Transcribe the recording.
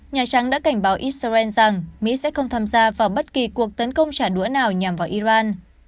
nhà trắng đã cảnh báo israel rằng mỹ sẽ không tham gia vào bất kỳ cuộc tấn công trả đũa nào nhằm vào iran